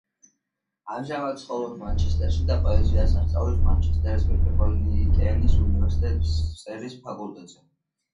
ამჟამად ცხოვრობს მანჩესტერში და პოეზიას ასწავლის მანჩესტერის მეტროპოლიტენის უნივერსიტეტის წერის ფაკულტეტზე.